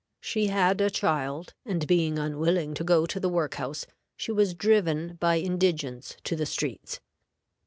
She had a child, and, being unwilling to go to the work house, she was driven by indigence to the streets.